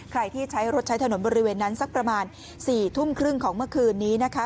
ใครที่ใช้รถใช้ถนนบริเวณนั้นสักประมาณ๔ทุ่มครึ่งของเมื่อคืนนี้นะคะ